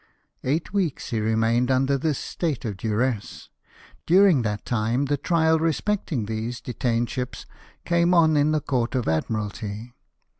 Eight weeks he remained under this state of duresse. During that time the trial respecting these detained ships came on in the Court of Admhalty.